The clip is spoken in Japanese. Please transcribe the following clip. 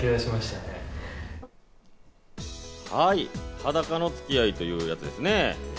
裸のつき合いというやつですね。